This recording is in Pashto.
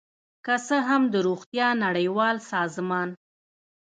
که څه هم د روغتیا نړیوال سازمان